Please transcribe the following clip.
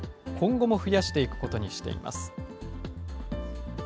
今後も増やしていくことにしています。